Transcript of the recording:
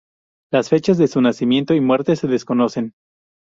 Las fechas de su nacimiento y muerte se desconocen.